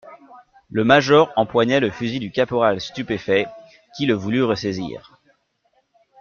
Le major empoigna le fusil du caporal stupéfait, qui le voulut ressaisir.